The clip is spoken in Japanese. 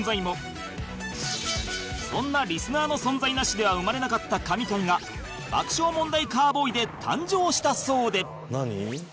そんなリスナーの存在なしでは生まれなかった神回が『爆笑問題カーボーイ』で誕生したそうで